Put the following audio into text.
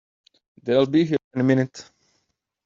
They'll be here any minute!